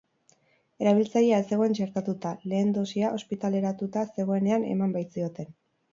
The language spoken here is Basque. Erabiltzailea ez zegoen txertatuta, lehen dosia ospitaleratuta zegoenean eman baitzioten.